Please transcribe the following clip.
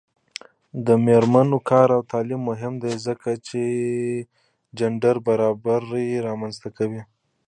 د میرمنو کار او تعلیم مهم دی ځکه چې جنډر برابري رامنځته کوي.